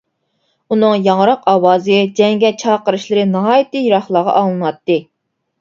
ئۇنىڭ ياڭراق ئاۋازى، جەڭگە چاقىرىشلىرى ناھايىتى يىراقلارغا ئاڭلىناتتى.